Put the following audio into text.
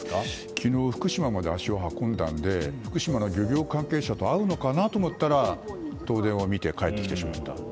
昨日、福島まで足を運んだので福島の漁業関係者と会うのかなと思ったら東電を見て帰ってきてしまったと。